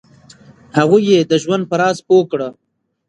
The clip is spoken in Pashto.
هغوی یې د ژوند په راز پوه کړه.